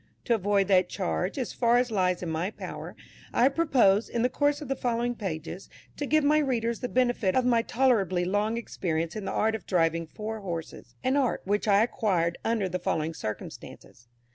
To avoid that charge, as far as lies in my power, I purpose, in the course of the following pages, to give my readers the benefit of my tolerably long experience in the art of driving four horses an art which I acquired under the following circumstances.